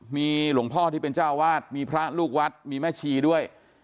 มีหลวงพ่อที่เป็นเจ้าวาดมีพระลูกวัดมีแม่ชีด้วย